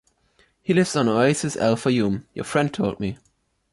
He lives on Oasis Al-Fayoum, your friend told me.